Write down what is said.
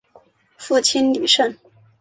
父亲李晟。